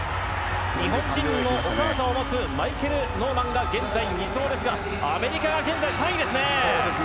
日本人のお母さんを持つマイケル・ノーマンが現在、２走ですがアメリカは３位ですね。